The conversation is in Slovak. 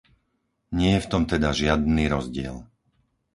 Nie je v tom teda žiadny rozdiel.